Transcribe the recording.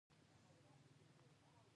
ایا زه باید وریجې وخورم؟